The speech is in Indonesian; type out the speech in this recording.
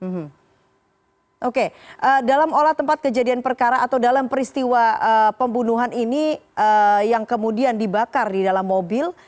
hmm oke dalam olah tempat kejadian perkara atau dalam peristiwa pembunuhan ini yang kemudian dibakar di dalam mobil